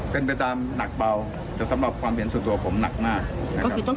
เป็นไปตามหนักเบาแต่ในสามารถความเป็นส่วนตัวผมนักมาก